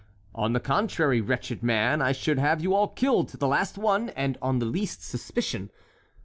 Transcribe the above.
On the contrary, wretched man, I should have you all killed to the last one, and on the least suspicion.